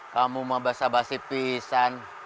kamu mau basah basih pisan